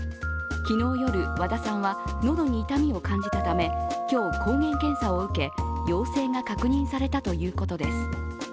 昨日夜、和田さんは喉に痛みを感じたため、今日、抗原検査を受け、陽性が確認されたということです。